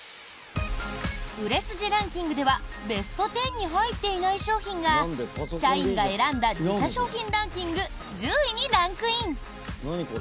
売れ筋ランキングではベスト１０に入っていない商品が社員が選んだ自社商品ランキング１０位にランクイン！